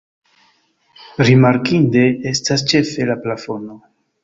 Rimarkinde estas ĉefe la plafono.